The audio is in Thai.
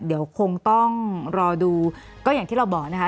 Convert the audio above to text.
เดี๋ยวคงต้องรอดูก็อย่างที่เราบอกนะคะ